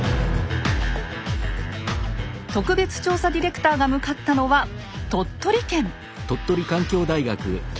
特別調査ディレクターが向かったのは鳥取県。